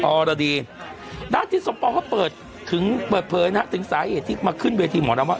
อรดีด้านทิศสมปองเขาเปิดถึงเปิดเผยนะฮะถึงสาเหตุที่มาขึ้นเวทีหมอลำว่า